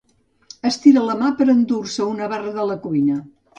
Estira la mà per endur-se una barra de la cuina.